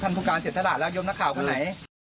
ท่านผู้การเสียสละแล้วย่อมรับข่าวไหน